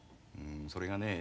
それがね